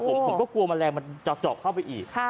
ผมก็กลัวแมลงมันจะเจาะเข้าไปอีก